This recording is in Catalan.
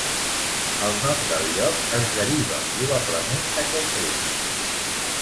El nom del lloc es deriva probablement d'aquest riu.